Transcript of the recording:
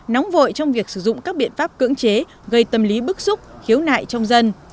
nóng vội trong việc sử dụng các biện pháp cưỡng chế gây tâm lý bức xúc khiếu nại trong dân